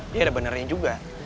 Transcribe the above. dia ada benernya juga